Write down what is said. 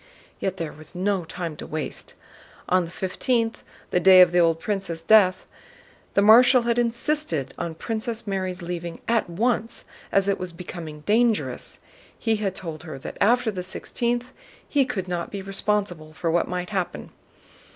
Yet there was no time to waste. On the fifteenth, the day of the old prince's death, the Marshal had insisted on Princess Mary's leaving at once, as it was becoming dangerous. He had told her that after the sixteenth he could not be responsible for what might happen.